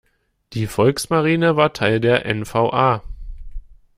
Die Volksmarine war Teil der N-V-A.